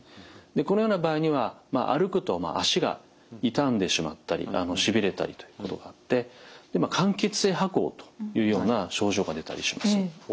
このような場合には歩くと足が痛んでしまったりしびれたりということがあって間欠性跛行というような症状が出たりします。